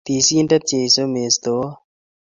Tisiindet Jesu, Mestowot,